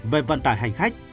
về vận tải hành khách